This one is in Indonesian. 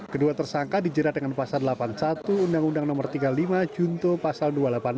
kedua tersangka dijerat dengan pasal delapan puluh satu undang undang no tiga puluh lima junto pasal dua ratus delapan puluh enam